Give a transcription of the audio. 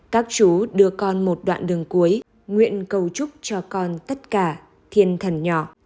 các chú đưa con một đoạn đường cuối nguyện cầu chúc cho con tất cả thiên thần nhỏ